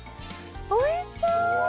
おいしそう！